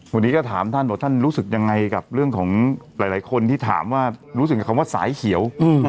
วันนี้ก็ถามท่านว่าท่านรู้สึกยังไงกับเรื่องของหลายคนที่ถามว่ารู้สึกกับคำว่าสายเขียว